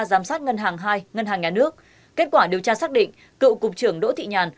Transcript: giám sát ngân hàng hai ngân hàng nhà nước kết quả điều tra xác định cựu cục trưởng đỗ thị nhàn